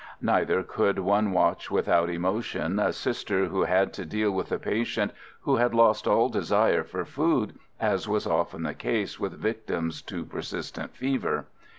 Neither could one watch without emotion a Sister who had to deal with a patient who had lost all desire for food, as was often the case with victims to persistent fever.